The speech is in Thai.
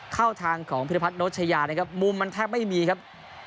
เข้าทางของพิรพัฒนโชชยานะครับมุมมันแทบไม่มีครับ